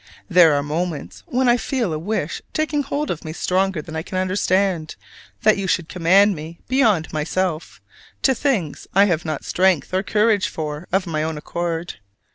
There are moments when I feel a wish taking hold of me stronger than I can understand, that you should command me beyond myself to things I have not strength or courage for of my own accord.